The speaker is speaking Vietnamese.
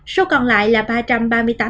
số còn lại là ba ca